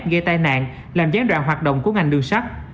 gây tai nạn làm gián đoạn hoạt động của ngành đường sắt